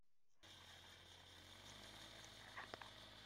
Ubwo nyina akandebaAgatinya guhinda